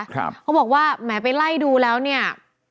เขาบอกว่าแหมไปไล่ดูแล้วเนี่ย